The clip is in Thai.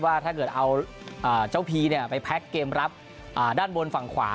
ถ้าเกิดเอาเจ้าพีไปแพ็คเกมรับด้านบนฝั่งขวา